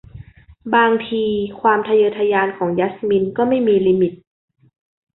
บางทีความทะเยอทะยานของยัสมินก็ไม่มีลิมิต